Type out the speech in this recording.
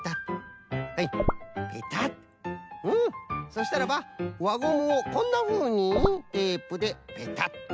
そしたらばわゴムをこんなふうにテープでペタッ。